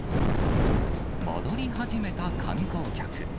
戻り始めた観光客。